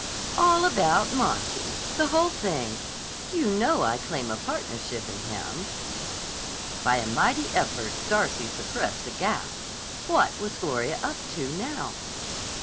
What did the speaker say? "All about Monty. The whole thing. You know, I claim a partnership in him." By a mighty effort Darcy suppressed a gasp. What was Gloria up to, now?